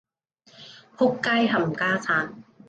僕街冚家鏟